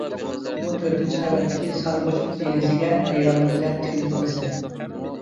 بۇ تۆتىنچى قەۋەتتىكى سارغۇچ دېرىزىگە ھەيرانلىق بىلەن تىكىلىپ قالىسەن.